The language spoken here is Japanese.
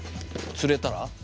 釣れたら。